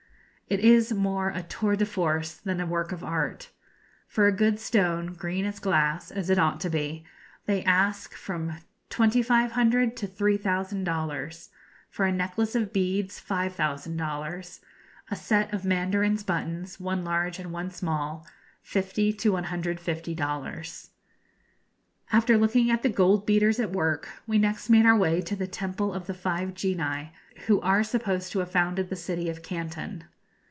It is more a tour de force than a work of art. For a good stone, green as grass (as it ought to be), they ask from 2,500 to 3,000 dollars; for a necklace of beads, 5,000 dollars; a set of mandarin's buttons, one large and one small, 50 to 150 dollars. After looking in at the goldbeaters at work, we next made our way to the temple of the Five Genii who are supposed to have founded the city of Canton.